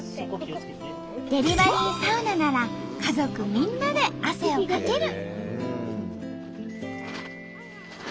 デリバリーサウナなら家族みんなで汗をかける。